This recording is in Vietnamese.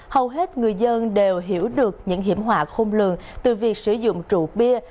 hầu hết người dân đều hiểu được những hiểm họa khôn lường từ việc sử dụng rượu bia